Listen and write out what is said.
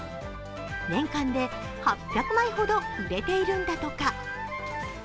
年間で８００枚ほど売れているんだとか。